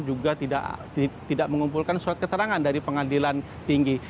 juga tidak mengumpulkan surat keterangan dari pengadilan tinggi